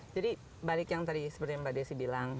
jadi balik yang tadi seperti yang mbak desi bilang